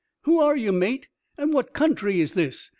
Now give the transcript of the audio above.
" Who are you, mate, and what country is this